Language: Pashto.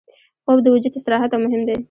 خوب د وجود استراحت ته مهم دی